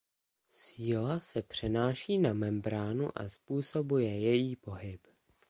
Síla se přenáší na membránu a způsobuje její pohyb.